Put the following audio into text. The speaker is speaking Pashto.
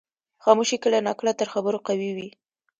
خاموشي کله ناکله تر خبرو قوي وي.